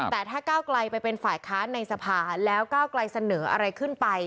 แต่ถ้าก้าวไกลไปเป็นฝ่ายค้านในสภาแล้วก้าวไกลเสนออะไรขึ้นไป